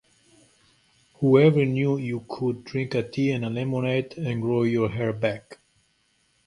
Who ever knew you could drink tea and lemonade and grow your hair back.